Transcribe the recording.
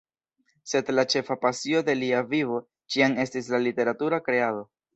Sed la ĉefa pasio de lia vivo ĉiam estis la literatura kreado.